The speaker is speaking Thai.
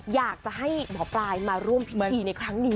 อยากจะให้หมอปลายมาร่วมพิธีในครั้งนี้